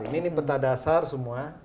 ini peta dasar semua